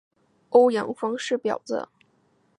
萨格奈是挪威首都奥斯陆的一个地区。